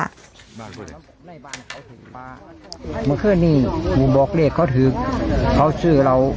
บ้านเดิมละครั้งนี้มันบอกเลขเขาถึงเขาชื่อเรา